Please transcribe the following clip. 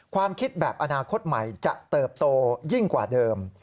ความคิดแบบอนาคตใหม่จะเติบโตยิ่งกว่าเดิม